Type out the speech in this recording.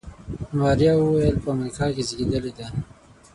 ماريا وويل په امريکا کې زېږېدلې ده.